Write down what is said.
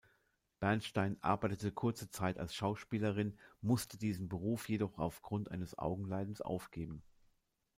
Bernstein arbeitete kurze Zeit als Schauspielerin, musste diesen Beruf jedoch aufgrund eines Augenleidens aufgeben.